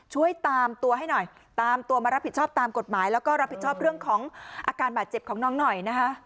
ช่วยตามตัวให้หน่อยตามตัวมารับผิดชอบตามกฎหมายแล้วก็รับผิดชอบเรื่องของอาการบาดเจ็บของน้องหน่อยนะคะ